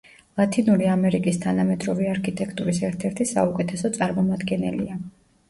ლათინური ამერიკის თანამედროვე არქიტექტურის ერთ-ერთი საუკეთესო წარმომადგენელია.